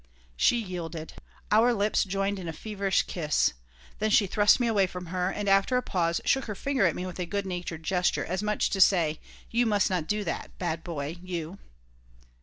She yielded. Our lips joined in a feverish kiss. Then she thrust me away from her and, after a pause, shook her finger at me with a good natured gesture, as much as to say, "You must not do that, bad boy, you."